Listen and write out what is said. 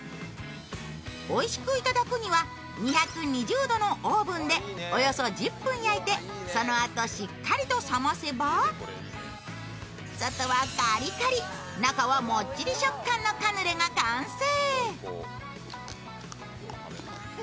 おいしいく頂くには２２０度のオーブンでおよそ１０分焼いて、そのあとしっかりと冷ませば外はカリカリ、中はもっちり食感のカヌレが完成。